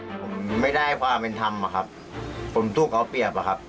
ผมไม่ได้ความเป็นธรรมอะครับผมถูกเอาเปรียบอะครับ